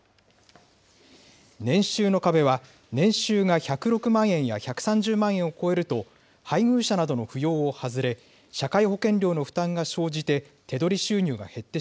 年収の壁は年収が１０６万円や１３０万円を超えると配偶者などの扶養を外れ、社会保険料の負担が生じて、手取り収入が減って